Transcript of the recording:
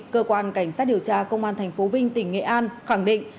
cơ quan cảnh sát điều tra công an thành phố vinh tỉnh nghệ an khẳng định